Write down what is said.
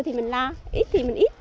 thì mình lo ít thì mình ít